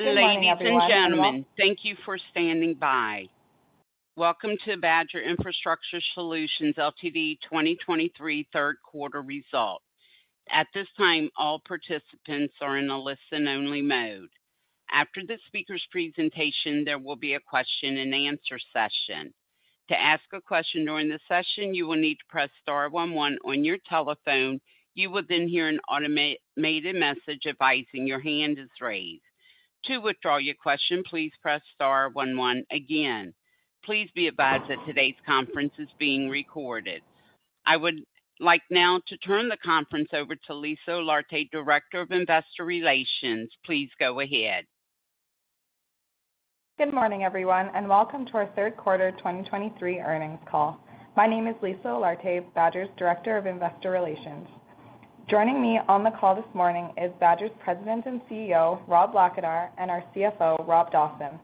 Ladies and gentlemen, thank you for standing by. Welcome to Badger Infrastructure Solutions Ltd. 2023 Q3 results. At this time, all participants are in a listen-only mode. After the speaker's presentation, there will be a question-and-answer session. To ask a question during the session, you will need to press star one one on your telephone. You will then hear an automated message advising your hand is raised. To withdraw your question, please press star one one again. Please be advised that today's conference is being recorded. I would like now to turn the conference over to Lisa Olarte, Director of Investor Relations. Please go ahead. Good morning, everyone, and welcome to our Q3 2023 earnings call. My name is Lisa Olarte, Badger's Director of Investor Relations. Joining me on the call this morning is Badger's President and CEO, Rob Blackadar, and our CFO, Rob Dawson.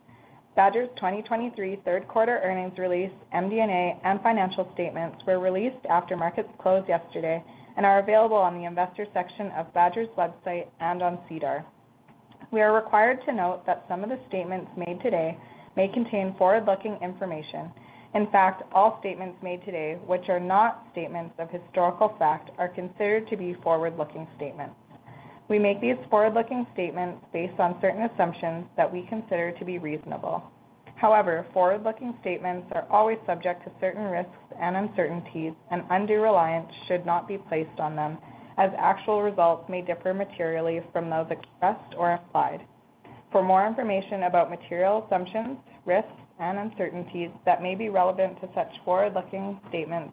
Badger's 2023 Q3 earnings release, MD&A, and financial statements were released after markets closed yesterday and are available on the investor section of Badger's website and on SEDAR. We are required to note that some of the statements made today may contain forward-looking information. In fact, all statements made today, which are not statements of historical fact, are considered to be forward-looking statements. We make these forward-looking statements based on certain assumptions that we consider to be reasonable. However, forward-looking statements are always subject to certain risks and uncertainties, and undue reliance should not be placed on them, as actual results may differ materially from those expressed or implied. For more information about material assumptions, risks, and uncertainties that may be relevant to such forward-looking statements,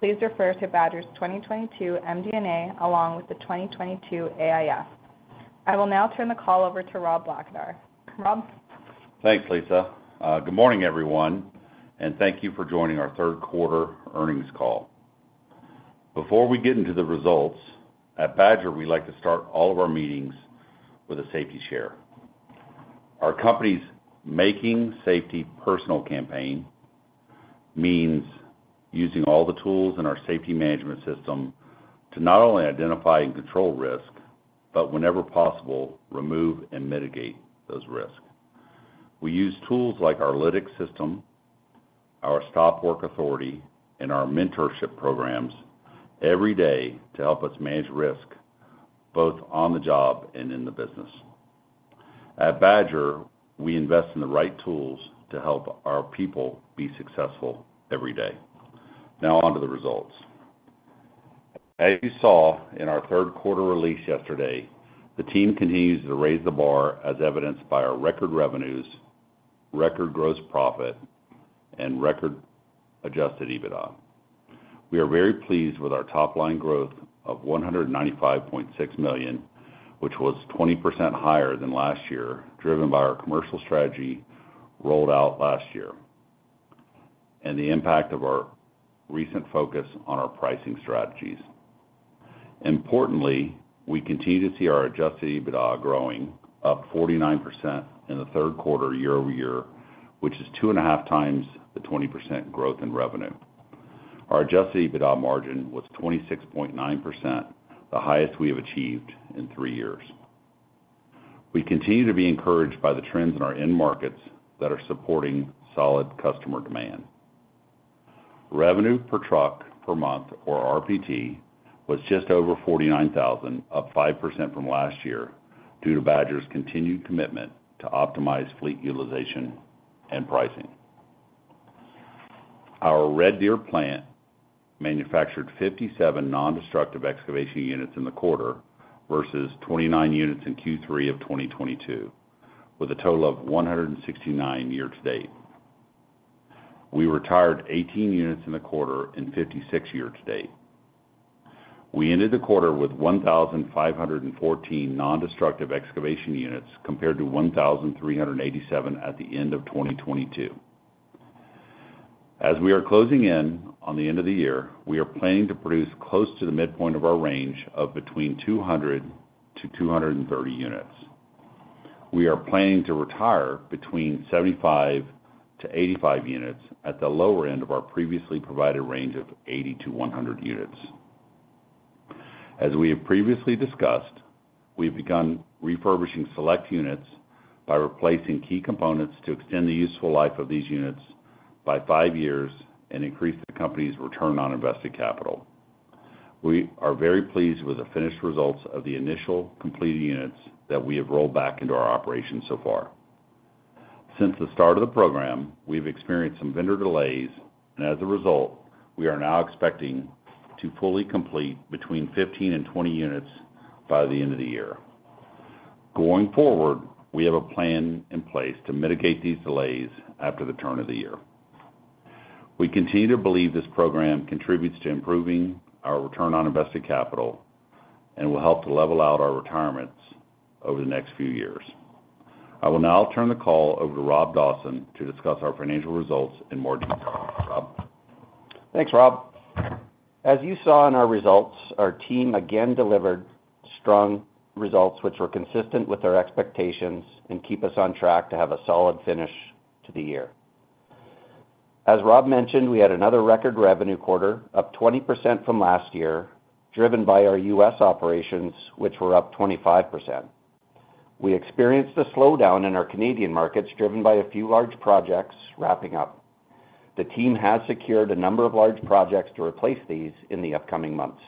please refer to Badger's 2022 MD&A, along with the 2022 AIF. I will now turn the call over to Rob Blackadar. Rob? Thanks, Lisa. Good morning, everyone, and thank you for joining our Q3 earnings call. Before we get into the results, at Badger, we like to start all of our meetings with a safety share. Our company's Making Safety Personal campaign means using all the tools in our safety management system to not only identify and control risk, but whenever possible, remove and mitigate those risks. We use tools like our Lytx system, our stop work authority, and our mentorship programs every day to help us manage risk, both on the job and in the business. At Badger, we invest in the right tools to help our people be successful every day. Now, on to the results. As you saw in our Q3 release yesterday, the team continues to raise the bar as evidenced by our record revenues, record gross profit, and record Adjusted EBITDA. We are very pleased with our top-line growth of 195.6 million, which was 20% higher than last year, driven by our commercial strategy rolled out last year and the impact of our recent focus on our pricing strategies. Importantly, we continue to see our Adjusted EBITDA growing up 49% in the Q3 year-over-year, which is two and a half times the 20% growth in revenue. Our Adjusted EBITDA margin was 26.9%, the highest we have achieved in three years. We continue to be encouraged by the trends in our end markets that are supporting solid customer demand. Revenue per truck per month, or RPT, was just over 49,000, up 5% from last year, due to Badger's continued commitment to optimize fleet utilization and pricing. Our Red Deer plant manufactured 57 non-destructive excavation units in the quarter versus 29 units in Q3 of 2022, with a total of 169 year-to-date. We retired 18 units in the quarter and 56 year-to-date. We ended the quarter with 1,514 non-destructive excavation units, compared to 1,387 at the end of 2022. As we are closing in on the end of the year, we are planning to produce close to the midpoint of our range of between 200-230 units. We are planning to retire between 75-85 units at the lower end of our previously provided range of 80-100 units. As we have previously discussed, we've begun refurbishing select units by replacing key components to extend the useful life of these units by five years and increase the company's return on invested capital. We are very pleased with the finished results of the initial completed units that we have rolled back into our operations so far. Since the start of the program, we've experienced some vendor delays, and as a result, we are now expecting to fully complete between 15 and 20 units by the end of the year. Going forward, we have a plan in place to mitigate these delays after the turn of the year. We continue to believe this program contributes to improving our return on invested capital and will help to level out our retirements over the next few years. I will now turn the call over to Rob Dawson to discuss our financial results in more detail. Rob? Thanks, Rob. As you saw in our results, our team again delivered strong results, which were consistent with our expectations and keep us on track to have a solid finish to the year. ...As Rob mentioned, we had another record revenue quarter, up 20% from last year, driven by our U.S. operations, which were up 25%. We experienced a slowdown in our Canadian markets, driven by a few large projects wrapping up. The team has secured a number of large projects to replace these in the upcoming months.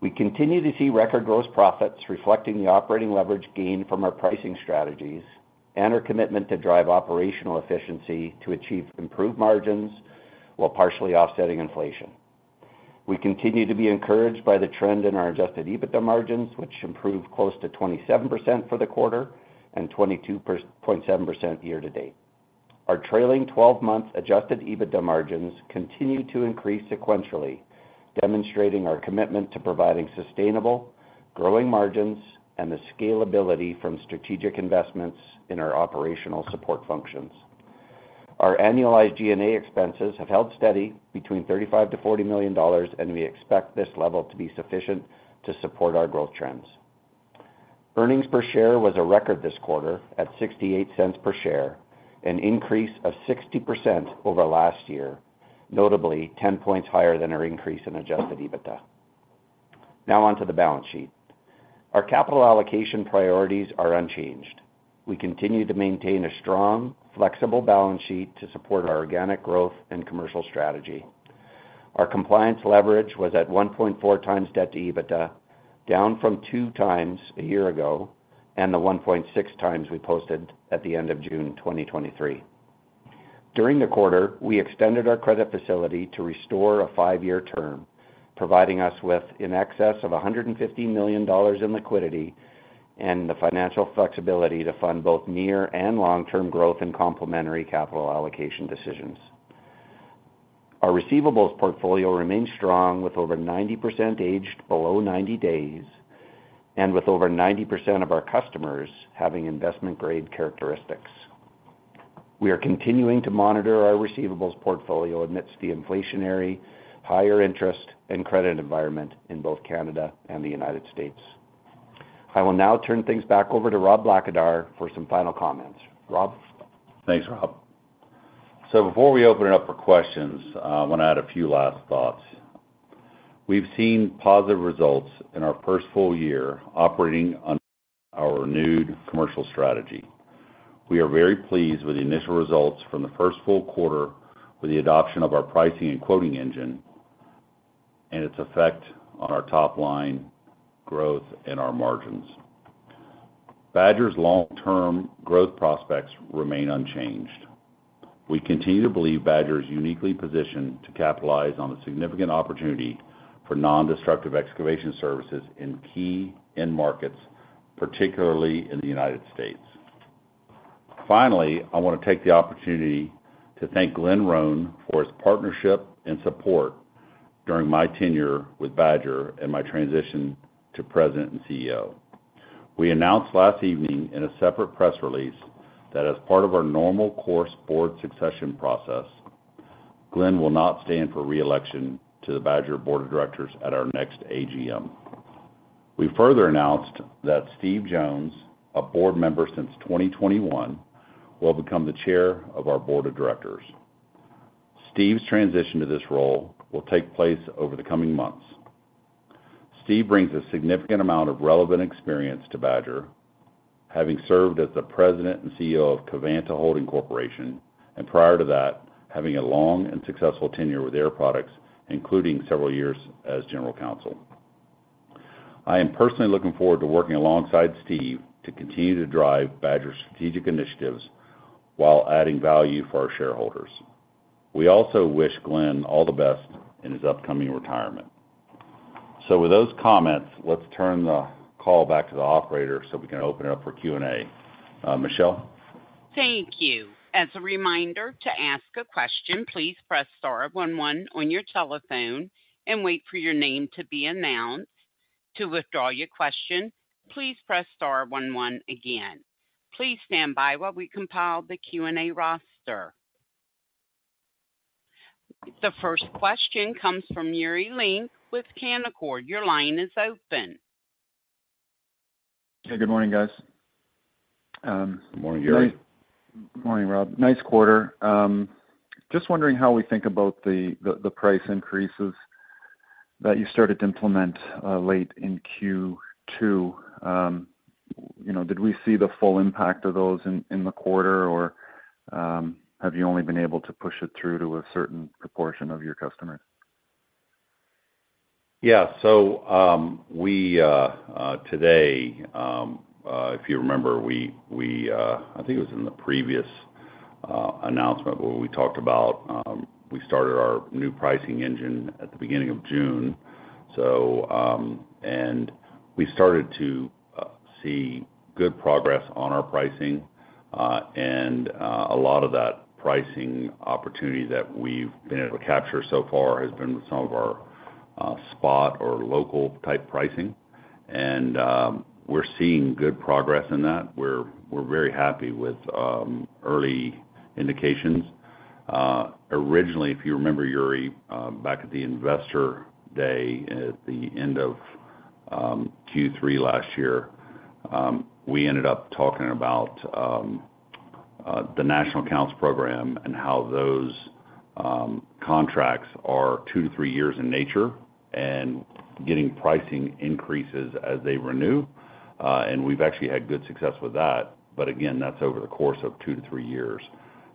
We continue to see record gross profits, reflecting the operating leverage gained from our pricing strategies and our commitment to drive operational efficiency to achieve improved margins, while partially offsetting inflation. We continue to be encouraged by the trend in our Adjusted EBITDA margins, which improved close to 27% for the quarter and 22.7% year-to-date. Our trailing twelve-month Adjusted EBITDA margins continue to increase sequentially, demonstrating our commitment to providing sustainable, growing margins and the scalability from strategic investments in our operational support functions. Our annualized G&A expenses have held steady between $35 million-$40 million, and we expect this level to be sufficient to support our growth trends. Earnings per share was a record this quarter at $0.68 per share, an increase of 60% over last year, notably 10 points higher than our increase in Adjusted EBITDA. Now on to the balance sheet. Our capital allocation priorities are unchanged. We continue to maintain a strong, flexible balance sheet to support our organic growth and commercial strategy. Our compliance leverage was at 1.4x debt to EBITDA, down from 2x a year ago and the 1.6x we posted at the end of June 2023. During the quarter, we extended our credit facility to restore a five-year term, providing us with in excess of $150 million in liquidity and the financial flexibility to fund both near- and long-term growth and complementary capital allocation decisions. Our receivables portfolio remains strong, with over 90% aged below 90 days and with over 90% of our customers having investment-grade characteristics. We are continuing to monitor our receivables portfolio amidst the inflationary, higher interest, and credit environment in both Canada and the United States. I will now turn things back over to Rob Blackadar for some final comments. Rob? Thanks, Rob. Before we open it up for questions, I want to add a few last thoughts. We've seen positive results in our first full year operating under our renewed commercial strategy. We are very pleased with the initial results from the first full quarter with the adoption of our pricing and quoting engine and its effect on our top line growth and our margins. Badger's long-term growth prospects remain unchanged. We continue to believe Badger is uniquely positioned to capitalize on the significant opportunity for non-destructive excavation services in key end markets, particularly in the United States. Finally, I want to take the opportunity to thank Glen Roane for his partnership and support during my tenure with Badger and my transition to President and CEO. We announced last evening in a separate press release that as part of our normal course board succession process, Glen will not stand for re-election to the Badger Board of Directors at our next AGM. We further announced that Steve Jones, a board member since 2021, will become the chair of our board of directors. Steve's transition to this role will take place over the coming months. Steve brings a significant amount of relevant experience to Badger, having served as the President and CEO of Covanta Holding Corporation, and prior to that, having a long and successful tenure with Air Products, including several years as General Counsel. I am personally looking forward to working alongside Steve to continue to drive Badger's strategic initiatives while adding value for our shareholders. We also wish Glen all the best in his upcoming retirement. So with those comments, let's turn the call back to the operator so we can open it up for Q&A. Michelle? Thank you. As a reminder to ask a question, please press star one one on your telephone and wait for your name to be announced. To withdraw your question, please press star one one again. Please stand by while we compile the Q&A roster. The first question comes from Yuri Lynk with Canaccord. Your line is open. Hey, good morning, guys. Good morning, Yuri. Good morning, Rob. Nice quarter. Just wondering how we think about the price increases that you started to implement late in Q2. You know, did we see the full impact of those in the quarter, or have you only been able to push it through to a certain proportion of your customers? Yeah. So, today, if you remember, we, I think it was in the previous announcement where we talked about, we started our new pricing engine at the beginning of June. So, and we started to see good progress on our pricing, and a lot of that pricing opportunity that we've been able to capture so far has been with some of our spot or local type pricing. And, we're seeing good progress in that. We're very happy with early indications. Originally, if you remember, Yuri, back at the Investor Day, at the end of Q3 last year, we ended up talking about the national accounts program and how those contracts are two to three years in nature, and getting pricing increases as they renew. And we've actually had good success with that. But again, that's over the course of two-three years.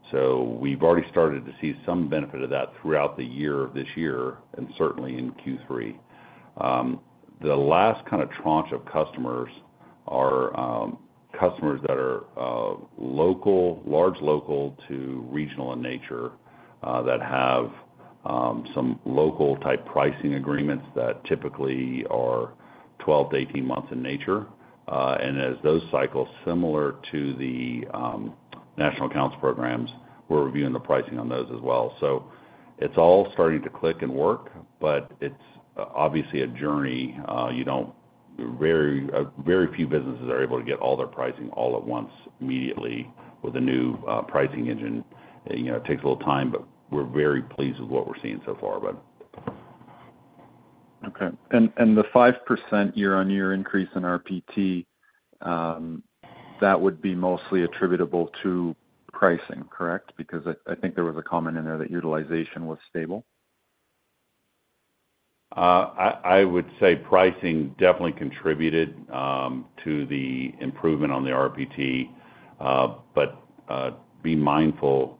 So we've already started to see some benefit of that throughout the year of this year, and certainly in Q3. The last kind of tranche of customers are customers that are large, local to regional in nature, that have some local type pricing agreements that typically are 12-18 months in nature. And as those cycles, similar to the national accounts programs, we're reviewing the pricing on those as well. So it's all starting to click and work, but it's obviously a journey. Very few businesses are able to get all their pricing all at once immediately with a new pricing engine. You know, it takes a little time, but we're very pleased with what we're seeing so far, but. Okay. And the 5% year-on-year increase in RPT that would be mostly attributable to pricing, correct? Because I think there was a comment in there that utilization was stable. I would say pricing definitely contributed to the improvement on the RPT. But be mindful,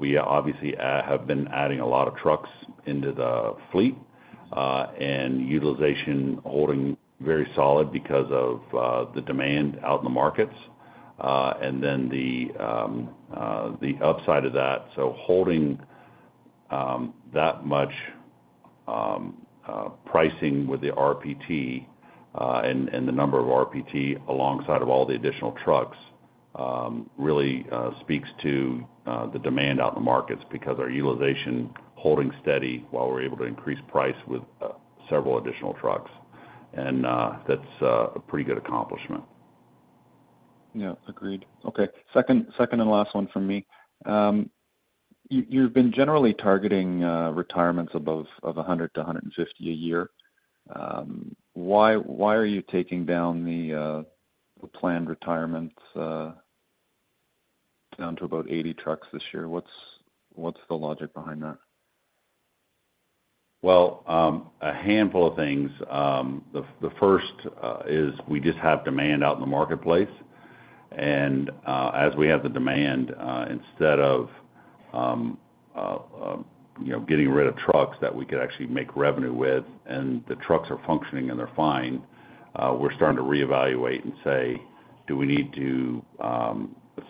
we obviously have been adding a lot of trucks into the fleet, and utilization holding very solid because of the demand out in the markets, and then the upside of that. So holding that much pricing with the RPT, and the number of RPT alongside of all the additional trucks really speaks to the demand out in the markets because our utilization holding steady while we're able to increase price with several additional trucks. That's a pretty good accomplishment. Yeah, agreed. Okay, second and last one from me. You've been generally targeting retirements above of 100 to 150 a year. Why are you taking down the planned retirements down to about 80 trucks this year? What's the logic behind that? Well, a handful of things. The first is we just have demand in the marketplace, and as we have the demand, instead of, you know, getting rid of trucks that we could actually make revenue with, and the trucks are functioning and they're fine, we're starting to reevaluate and say: Do we need to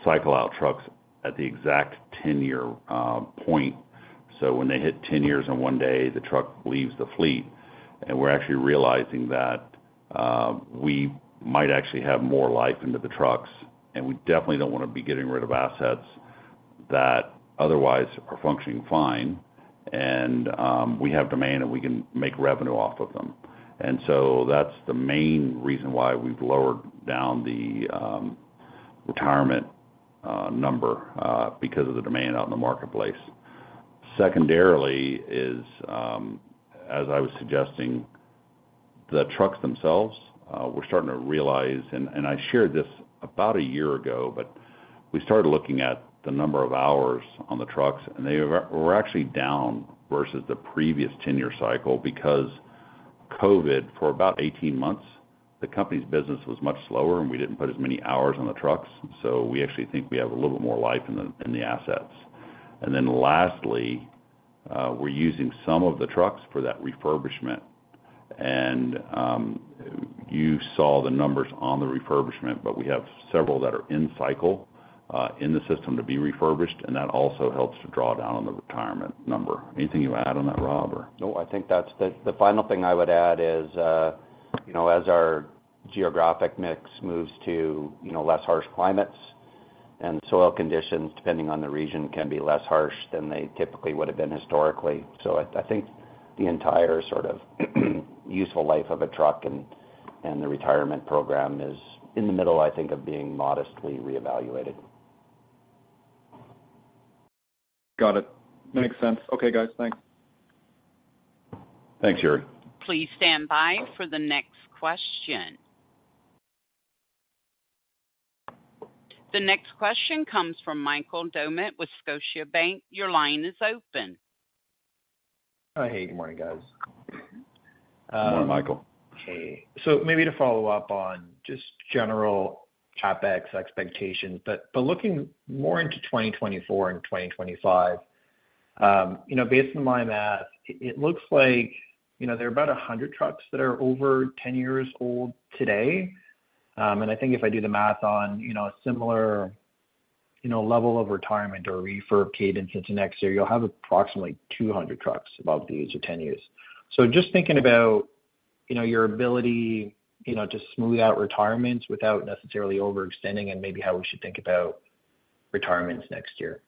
cycle out trucks at the exact 10-year point? So when they hit 10 years in one day, the truck leaves the fleet, and we're actually realizing that we might actually have more life into the trucks, and we definitely don't want to be getting rid of assets that otherwise are functioning fine, and we have demand, and we can make revenue off of them. So that's the main reason why we've lowered down the retirement number because of the demand out in the marketplace. Secondarily is as I was suggesting, the trucks themselves, we're starting to realize, and I shared this about a year ago, but we started looking at the number of hours on the trucks, and they were actually down versus the previous 10-year cycle because COVID, for about 18 months, the company's business was much slower, and we didn't put as many hours on the trucks. So we actually think we have a little bit more life in the assets. And then lastly, we're using some of the trucks for that refurbishment. And, you saw the numbers on the refurbishment, but we have several that are in cycle, in the system to be refurbished, and that also helps to draw down on the retirement number. Anything you want to add on that, Rob, or? No, I think that's the final thing I would add is, you know, as our geographic mix moves to, you know, less harsh climates and soil conditions, depending on the region, can be less harsh than they typically would have been historically. So I think the entire sort of useful life of a truck and the retirement program is in the middle, I think, of being modestly reevaluated. Got it. Makes sense. Okay, guys. Thanks. Thanks, Yuri. Please stand by for the next question. The next question comes from Michael Doumet with Scotiabank. Your line is open. Hi. Hey, good morning, guys. Good morning, Michael. Hey. So maybe to follow up on just general CapEx expectations, but looking more into 2024 and 2025, you know, based on my math, it looks like, you know, there are about 100 trucks that are over 10 years old today. And I think if I do the math on, you know, a similar, you know, level of retirement or refurb cadence into next year, you'll have approximately 200 trucks above the age of 10 years. So just thinking about, you know, your ability, you know, to smooth out retirements without necessarily overextending and maybe how we should think about retirements next year.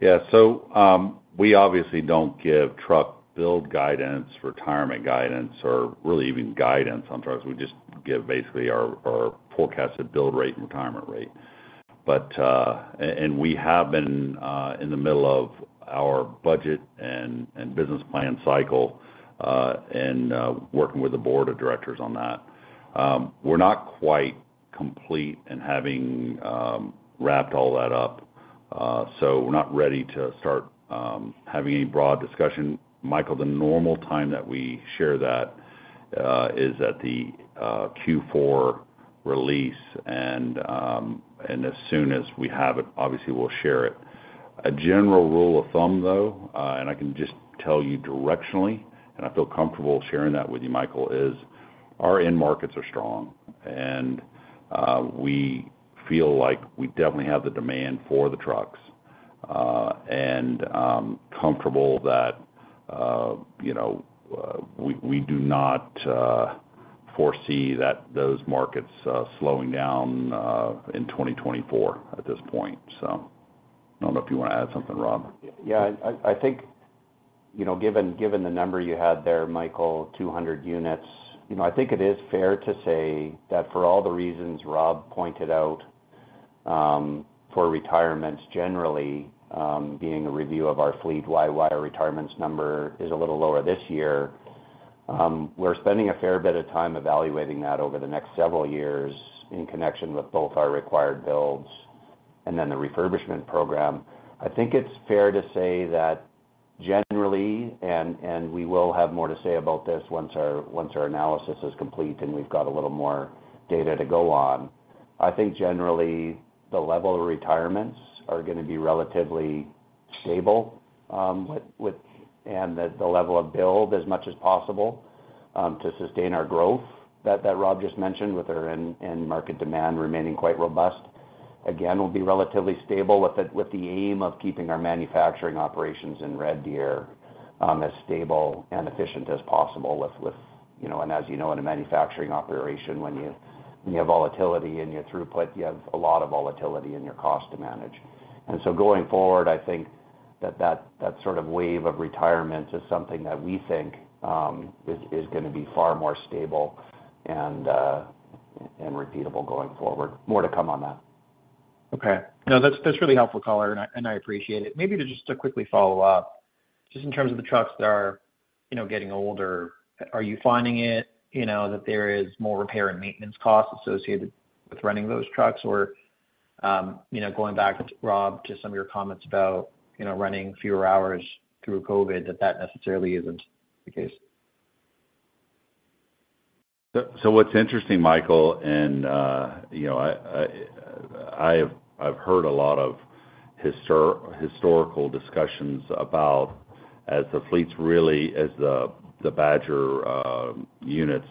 Yeah. So, we obviously don't give truck build guidance, retirement guidance, or really even guidance on trucks. We just give basically our forecasted build rate and retirement rate. But, and we have been in the middle of our budget and business plan cycle, and working with the board of directors on that. We're not quite complete in having wrapped all that up, so we're not ready to start having any broad discussion. Michael, the normal time that we share that is at the Q4 release, and as soon as we have it, obviously, we'll share it. A general rule of thumb, though, and I can just tell you directionally, and I feel comfortable sharing that with you, Michael, is our end markets are strong, and we feel like we definitely have the demand for the trucks. And comfortable that, you know, we do not foresee those markets slowing down in 2024 at this point. So I don't know if you want to add something, Rob? Yeah, I think, you know, given the number you had there, Michael, 200 units, you know, I think it is fair to say that for all the reasons Rob pointed out, for retirements generally, being a review of our fleet, why our retirements number is a little lower this year. We're spending a fair bit of time evaluating that over the next several years in connection with both our required builds and then the refurbishment program. I think it's fair to say that generally, and we will have more to say about this once our analysis is complete and we've got a little more data to go on. I think generally, the level of retirements are gonna be relatively stable, with and that the level of build, as much as possible, to sustain our growth that Rob just mentioned, with our end market demand remaining quite robust. Again, we'll be relatively stable with the aim of keeping our manufacturing operations in Red Deer, as stable and efficient as possible with, you know... And as you know, in a manufacturing operation, when you have volatility in your throughput, you have a lot of volatility in your cost to manage. And so going forward, I think that sort of wave of retirements is something that we think is gonna be far more stable and repeatable going forward. More to come on that. Okay. No, that's really helpful color, and I appreciate it. Maybe just to quickly follow up, just in terms of the trucks that are, you know, getting older, are you finding it, you know, that there is more repair and maintenance costs associated with running those trucks? Or, you know, going back, Rob, to some of your comments about, you know, running fewer hours through COVID, that necessarily isn't the case. So what's interesting, Michael, and you know, I've heard a lot of historical discussions about as the fleets really as the Badger units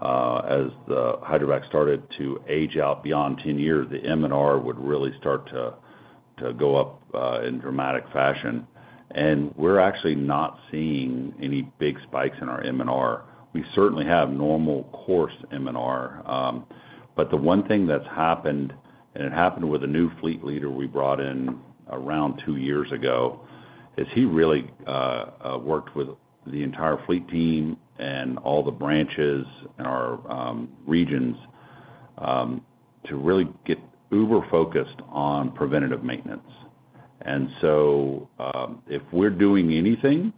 as the hydrovac started to age out beyond 10 years, the M&R would really start to go up in dramatic fashion. And we're actually not seeing any big spikes in our M&R. We certainly have normal course M&R, but the one thing that's happened, and it happened with a new fleet leader we brought in around two years ago, is he really worked with the entire fleet team and all the branches in our regions to really get uber focused on preventative maintenance. If we're doing anything,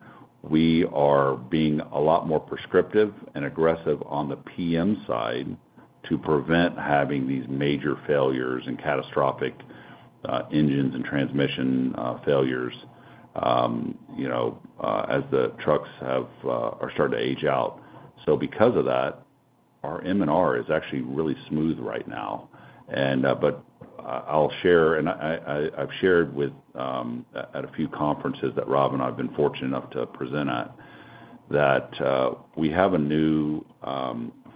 we are being a lot more prescriptive and aggressive on the PM side to prevent having these major failures and catastrophic engines and transmission failures, you know, as the trucks are starting to age out. So because of that, our M&R is actually really smooth right now. But I'll share, and I've shared with at a few conferences that Rob and I have been fortunate enough to present at, that we have a new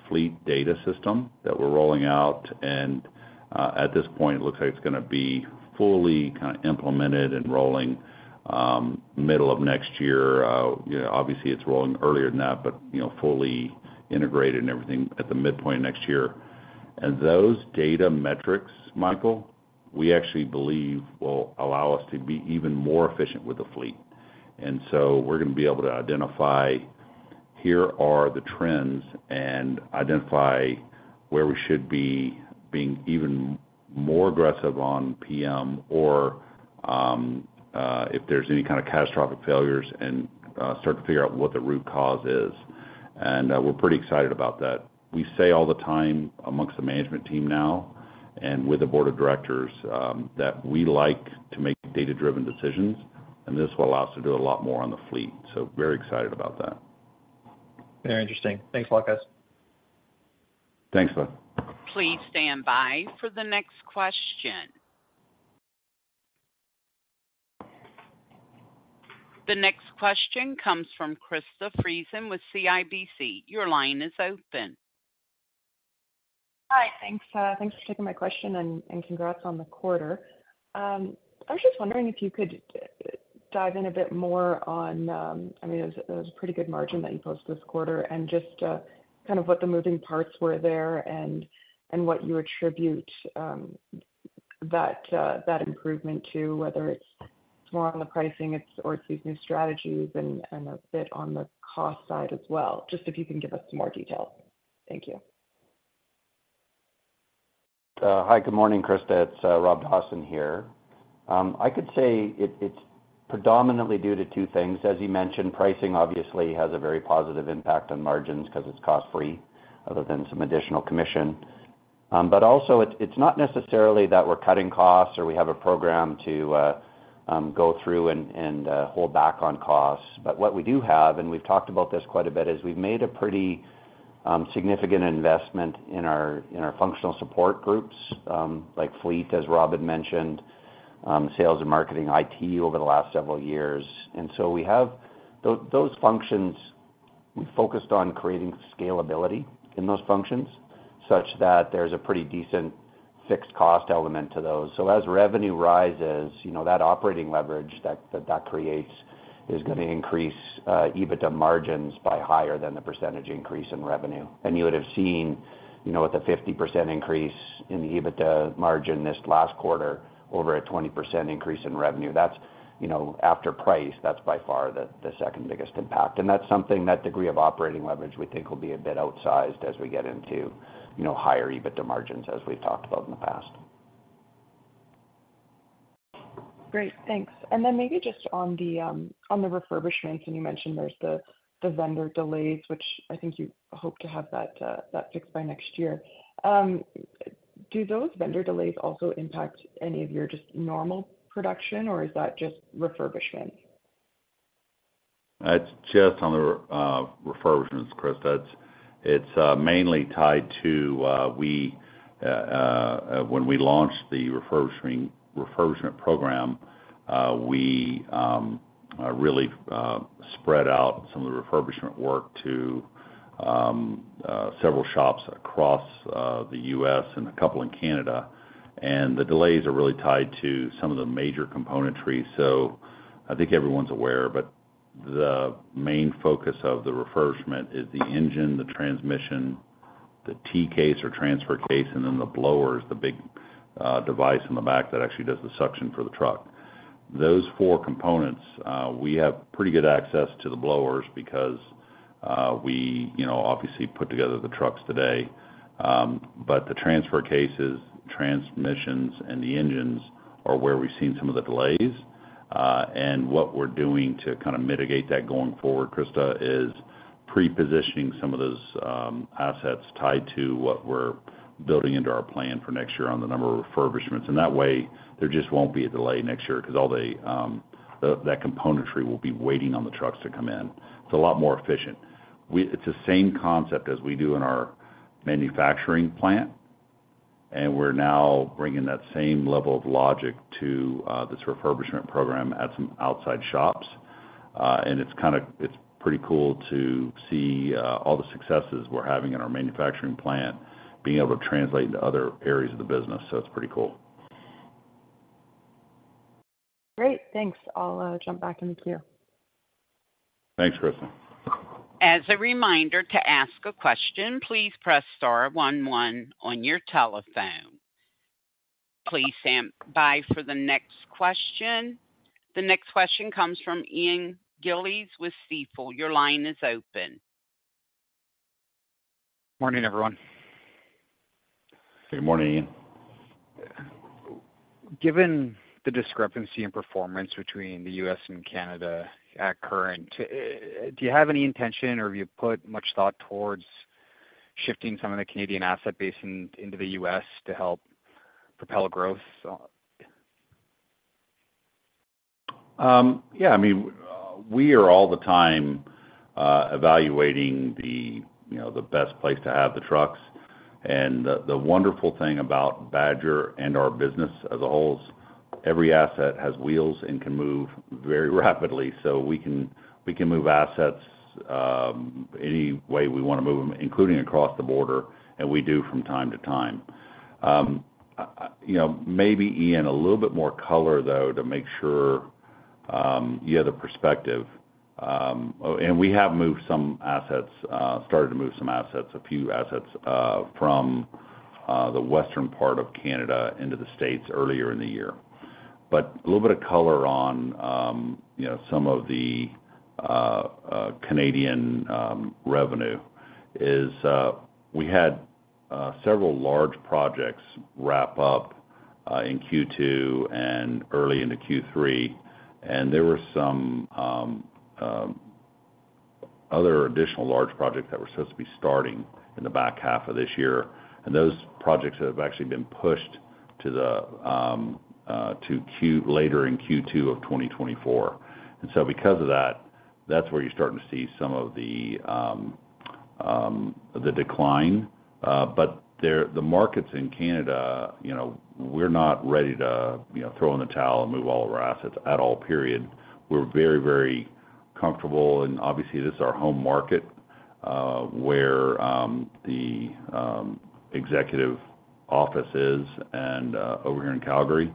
fleet data system that we're rolling out, and at this point, it looks like it's gonna be fully kind of implemented and rolling middle of next year. You know, obviously, it's rolling earlier than that, but you know, fully integrated and everything at the midpoint of next year. Those data metrics, Michael, we actually believe will allow us to be even more efficient with the fleet. So we're gonna be able to identify, "Here are the trends," and identify where we should be being even more aggressive on PM or, if there's any kind of catastrophic failures and, start to figure out what the root cause is. And, we're pretty excited about that. We say all the time amongst the management team now, and with the board of directors, that we like to make data-driven decisions, and this will allow us to do a lot more on the fleet. So very excited about that. Very interesting. Thanks a lot, guys. Thanks, bud. Please stand by for the next question. The next question comes from Krista Friesen with CIBC. Your line is open. Hi, thanks. Thanks for taking my question, and congrats on the quarter. I was just wondering if you could dive in a bit more on, I mean, it was a pretty good margin that you posted this quarter, and just kind of what the moving parts were there and what you attribute that improvement to, whether it's more on the pricing or it's these new strategies and a bit on the cost side as well. Just if you can give us some more details. Thank you. Hi, good morning, Krista. It's Rob Dawson here. I could say it's predominantly due to two things. As you mentioned, pricing obviously has a very positive impact on margins because it's cost-free, other than some additional commission. But also, it's not necessarily that we're cutting costs or we have a program to go through and hold back on costs. But what we do have, and we've talked about this quite a bit, is we've made a pretty significant investment in our functional support groups, like fleet, as Rob mentioned, sales and marketing, IT, over the last several years. And so we have those functions. We focused on creating scalability in those functions such that there's a pretty decent fixed cost element to those. So as revenue rises, you know, that operating leverage that creates is gonna increase, uh, EBITDA margins by higher than the percentage increase in revenue. And you would have seen, you know, with a 50% increase in the EBITDA margin this last quarter over a 20% increase in revenue. That's, you know, after price, that's by far the second biggest impact. And that's something that degree of operating leverage, we think, will be a bit outsized as we get into, you know, higher EBITDA margins, as we've talked about in the past. Great, thanks. And then maybe just on the refurbishments, and you mentioned there's the vendor delays, which I think you hope to have that fixed by next year. Do those vendor delays also impact any of your just normal production, or is that just refurbishment? It's just on the refurbishments, Krista. It's mainly tied to when we launched the refurbishing, refurbishment program, we really spread out some of the refurbishment work to several shops across the U.S. and a couple in Canada, and the delays are really tied to some of the major componentry. So I think everyone's aware, but the main focus of the refurbishment is the engine, the transmission, the T-case or transfer case, and then the blowers, the big device in the back that actually does the suction for the truck. Those four components, we have pretty good access to the blowers because we, you know, obviously put together the trucks today. But the transfer cases, transmissions, and the engines are where we've seen some of the delays. And what we're doing to kind of mitigate that going forward, Krista, is pre-positioning some of those assets tied to what we're building into our plan for next year on the number of refurbishments. That way, there just won't be a delay next year because all the componentry will be waiting on the trucks to come in. It's a lot more efficient. It's the same concept as we do in our manufacturing plant, and we're now bringing that same level of logic to this refurbishment program at some outside shops. It's pretty cool to see all the successes we're having in our manufacturing plant being able to translate into other areas of the business. So it's pretty cool. Great, thanks. I'll jump back in the queue. Thanks, Krista. As a reminder to ask a question, please press star one one on your telephone. Please stand by for the next question. The next question comes from Ian Gillies with Stifel. Your line is open. Morning, everyone. Good morning, Ian. Given the discrepancy in performance between the U.S. and Canada at current, do you have any intention, or have you put much thought towards shifting some of the Canadian asset base into the U.S. to help propel growth on? Yeah, I mean, we are all the time evaluating the, you know, the best place to have the trucks. And the, the wonderful thing about Badger and our business as a whole, every asset has wheels and can move very rapidly. So we can, we can move assets, any way we want to move them, including across the border, and we do from time to time. You know, maybe, Ian, a little bit more color, though, to make sure you have the perspective. And we have moved some assets, started to move some assets, a few assets, from the western part of Canada into the States earlier in the year. But a little bit of color on, you know, some of the Canadian revenue is, we had several large projects wrap up in Q2 and early into Q3, and there were some other additional large projects that were supposed to be starting in the back half of this year, and those projects have actually been pushed to later in Q2 of 2024. And so because of that, that's where you're starting to see some of the decline. But the markets in Canada, you know, we're not ready to, you know, throw in the towel and move all of our assets at all, period. We're very, very comfortable, and obviously, this is our home market, where the executive office is, and over here in Calgary,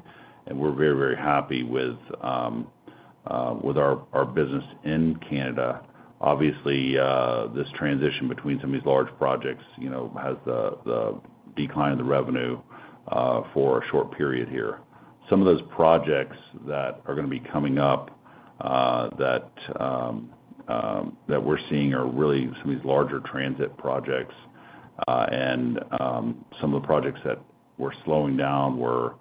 and we're very, very happy with our business in Canada. Obviously, this transition between some of these large projects, you know, has the decline in the revenue for a short period here. Some of those projects that are gonna be coming up that we're seeing are really some of these larger transit projects. And some of the projects that were slowing down were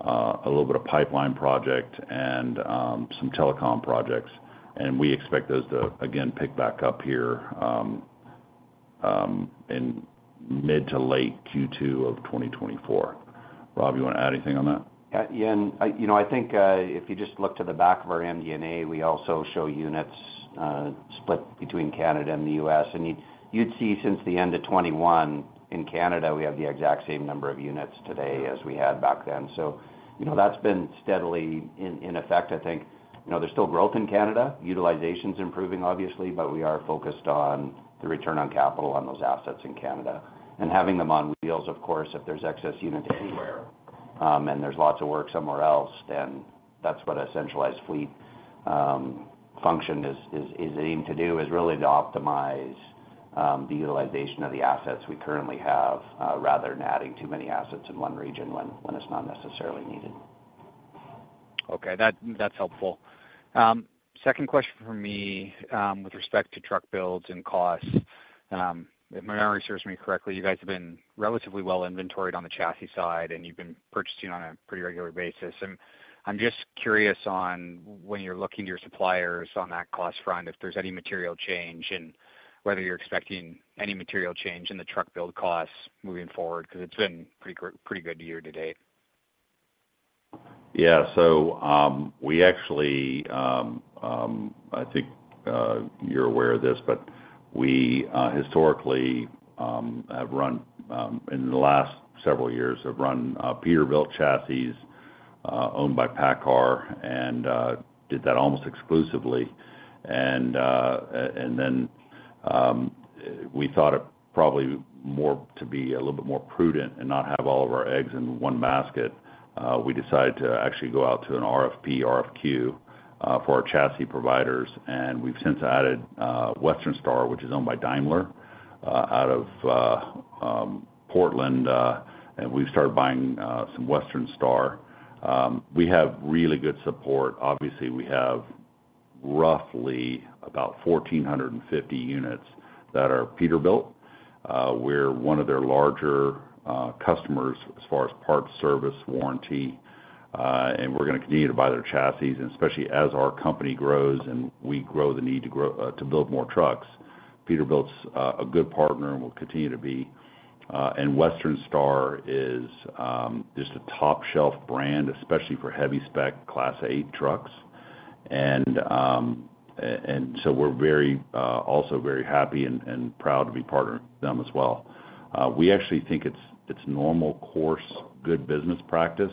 a little bit of pipeline project and some telecom projects, and we expect those to, again, pick back up here in mid to late Q2 of 2024. Rob, you want to add anything on that? Yeah, and, you know, I think, if you just look to the back of our MD&A, we also show units split between Canada and the U.S. and you'd see since the end of 2021, in Canada, we have the exact same number of units today as we had back then. So, you know, that's been steadily in effect. I think, you know, there's still growth in Canada. Utilization's improving, obviously, but we are focused on the return on capital on those assets in Canada. Having them on wheels, of course, if there's excess units anywhere, and there's lots of work somewhere else, then that's what a centralized fleet function is aiming to do, is really to optimize the utilization of the assets we currently have, rather than adding too many assets in one region when it's not necessarily needed. Okay, that's helpful. Second question from me, with respect to truck builds and costs. If memory serves me correctly, you guys have been relatively well inventoried on the chassis side, and you've been purchasing on a pretty regular basis. And I'm just curious on when you're looking to your suppliers on that cost front, if there's any material change, and whether you're expecting any material change in the truck build costs moving forward, because it's been pretty good year-to-date. Yeah. So, we actually, I think, you're aware of this, but we, historically, have run, in the last several years, have run, Peterbilt chassis, owned by PACCAR, and, and then, we thought it probably more to be a little bit more prudent and not have all of our eggs in one basket, we decided to actually go out to an RFP, RFQ, for our chassis providers, and we've since added, Western Star, which is owned by Daimler, out of, Portland, and we've started buying, some Western Star. We have really good support. Obviously, we have roughly about 1,450 units that are Peterbilt. We're one of their larger customers as far as parts, service, warranty, and we're going to continue to buy their chassis, and especially as our company grows and we grow the need to grow to build more trucks. Peterbilt's a good partner and will continue to be. Western Star is just a top-shelf brand, especially for heavy spec Class 8 trucks. So we're very also very happy and proud to be partnering with them as well. We actually think it's normal course, good business practice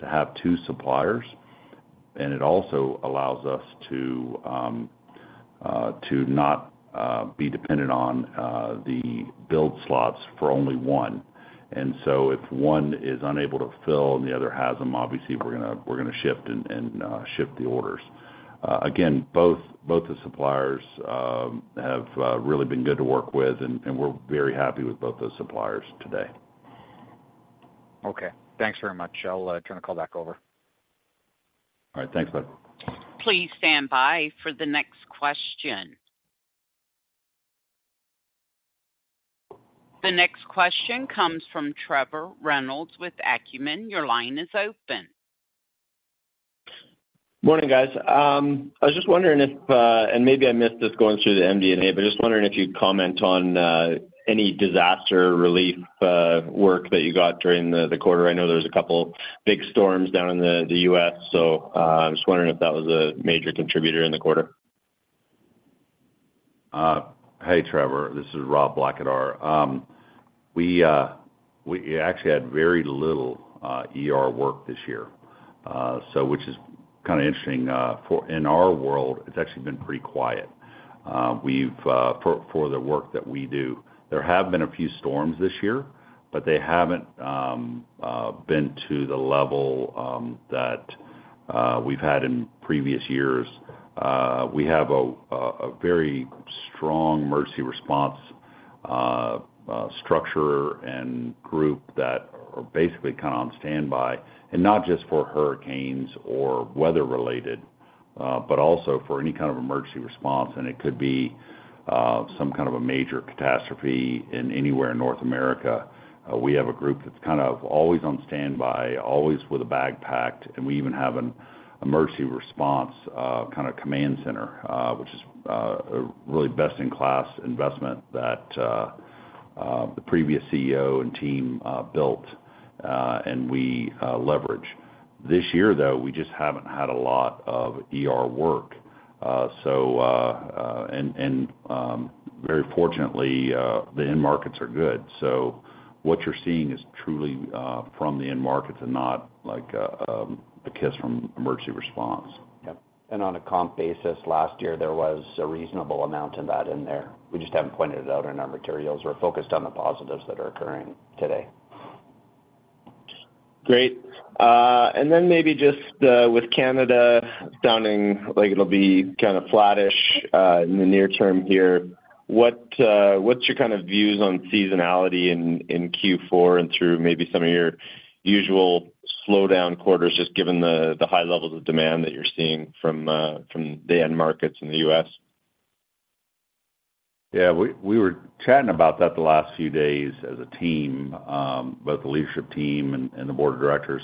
to have two suppliers, and it also allows us to not be dependent on the build slots for only one. And so if one is unable to fill and the other has them, obviously, we're going to shift the orders. Again, both the suppliers have really been good to work with, and we're very happy with both those suppliers today. Okay. Thanks very much. I'll turn the call back over. All right. Thanks, Bud. Please stand by for the next question. The next question comes from Trevor Reynolds with Acumen. Your line is open. Morning, guys. I was just wondering if, and maybe I missed this going through the MD&A, but just wondering if you'd comment on any disaster relief work that you got during the quarter. I know there was a couple big storms down in the U.S., so I was just wondering if that was a major contributor in the quarter. Hi, Trevor. This is Rob Blackadar. We actually had very little ER work this year, so which is kind of interesting, for, in our world, it's actually been pretty quiet. We've for the work that we do, there have been a few storms this year, but they haven't been to the level that we've had in previous years. We have a very strong emergency response structure and group that are basically kind of on standby, and not just for hurricanes or weather-related, but also for any kind of emergency response, and it could be some kind of a major catastrophe anywhere in North America. We have a group that's kind of always on standby, always with a bag packed, and we even have an emergency response kind of command center, which is a really best-in-class investment that the previous CEO and team built, and we leverage. This year, though, we just haven't had a lot of ER work. So, very fortunately, the end markets are good. So what you're seeing is truly from the end markets and not like a kiss from emergency response. Yep. And on a comp basis, last year, there was a reasonable amount of that in there. We just haven't pointed it out in our materials. We're focused on the positives that are occurring today. Great. And then maybe just, with Canada doing, like it'll be kind of flattish in the near term here. What, what's your kind of views on seasonality in Q4 and through maybe some of your usual slowdown quarters, just given the high levels of demand that you're seeing from the end markets in the U.S.? Yeah, we were chatting about that the last few days as a team, both the leadership team and the board of directors.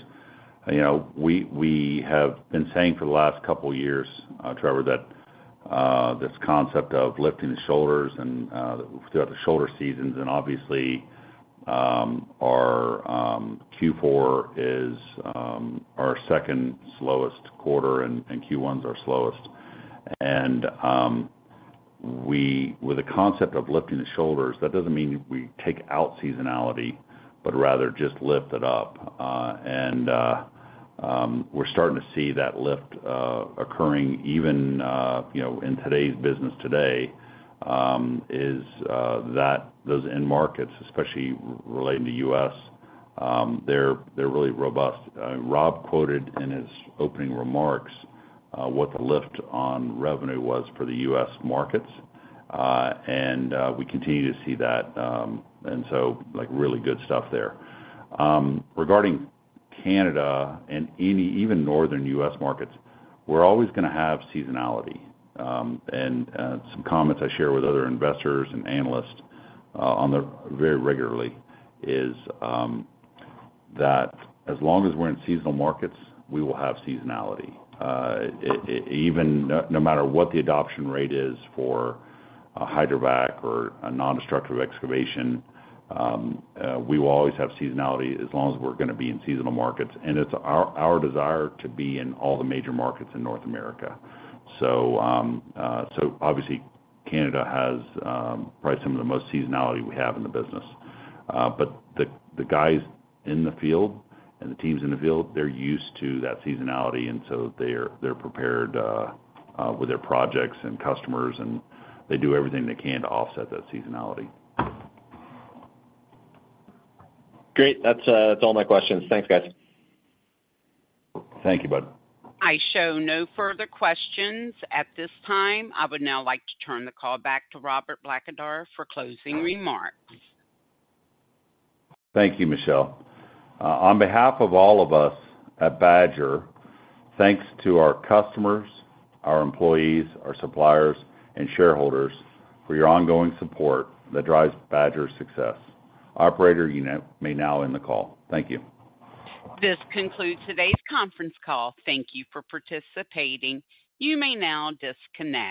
You know, we have been saying for the last couple of years, Trevor, that this concept of lifting the shoulders and throughout the shoulder seasons, and obviously, our Q4 is our second slowest quarter, and Q1 is our slowest. And, with the concept of lifting the shoulders, that doesn't mean we take out seasonality, but rather just lift it up. And, we're starting to see that lift occurring even, you know, in today's business today is that those end markets, especially relating to U.S., they're really robust. Rob quoted in his opening remarks what the lift on revenue was for the U.S. markets, and we continue to see that, and so, like, really good stuff there. Regarding Canada and any even northern U.S. markets, we're always going to have seasonality. Some comments I share with other investors and analysts on there very regularly is that as long as we're in seasonal markets, we will have seasonality. No matter what the adoption rate is for a hydrovac or a non-destructive excavation, we will always have seasonality as long as we're going to be in seasonal markets, and it's our desire to be in all the major markets in North America. So obviously, Canada has probably some of the most seasonality we have in the business. But the guys in the field and the teams in the field, they're used to that seasonality, and so they're prepared with their projects and customers, and they do everything they can to offset that seasonality. Great. That's all my questions. Thanks, guys. Thank you, bud. I show no further questions at this time. I would now like to turn the call back to Robert Blackadar for closing remarks. Thank you, Michelle. On behalf of all of us at Badger, thanks to our customers, our employees, our suppliers, and shareholders for your ongoing support that drives Badger's success. Operator, you may now end the call. Thank you. This concludes today's conference call. Thank you for participating. You may now disconnect.